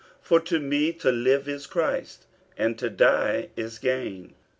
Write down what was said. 50:001:021 For to me to live is Christ, and to die is gain.